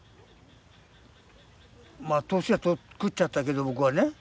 ま年はくっちゃったけど僕はね。